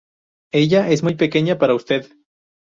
Ella es muy pequeña para su edad.